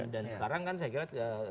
dan sekarang kan saya kira